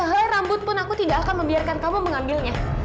cahaya rambut pun aku tidak akan membiarkan kamu mengambilnya